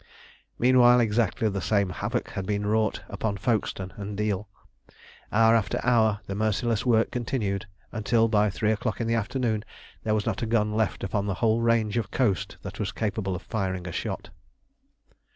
Meanwhile exactly the same havoc had been wrought upon Folkestone and Deal. Hour after hour the merciless work continued, until by three o'clock in the afternoon there was not a gun left upon the whole range of coast that was capable of firing a shot.